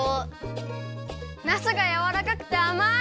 なすがやわらかくてあまい！